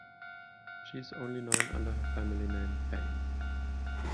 She is only known under her family name Fang.